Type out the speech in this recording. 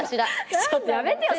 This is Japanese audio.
やめてよ